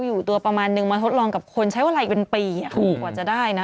อยู่ตัวประมาณหนึ่งมาทดลองกับคนใช้วันอะไรอีกเป็นปีอ่ะกว่าจะได้น่ะ